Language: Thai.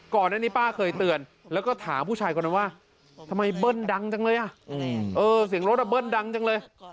ก่อนอันนี้ป้าเคยเตือนแล้วก็ถามผู้ชายคนนั้นว่าทำไมเบิ้ลดังจังเลยอ่ะเสียงรถเบิ้ลดังจังเลย